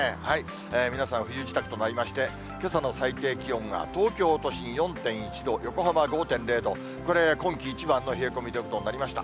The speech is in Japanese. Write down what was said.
皆さん、冬支度となりまして、けさの最低気温が東京都心４．１度、横浜５．０度、これ、今季一番の冷え込みということになりました。